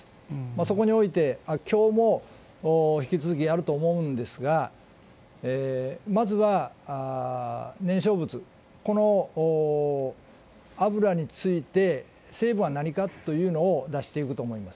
そこにおいて、きょうも引き続きやると思うんですが、まずは燃焼物、この油について成分は何かというのを出していくと思います。